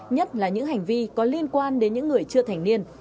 nhất là những hành vi có liên quan đến những người chưa thành niên